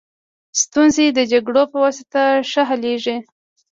ستونزي د جرګو په واسطه ښه حلیږي.